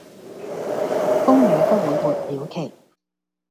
風雨不會沒了期